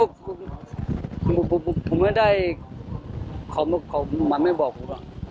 คือตัดลูกสูงประโยชน์อย่างหนึ่ง